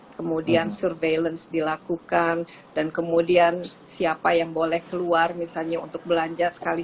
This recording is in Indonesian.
kemudian surveillance dilakukan dan kemudian siapa yang boleh keluar misalnya untuk belanja sekali